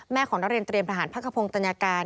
แม่ของโรงเรียนเตรียมทหารพักคพงตัญการ